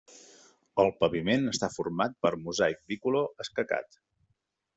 El paviment està format per mosaic bicolor escacat.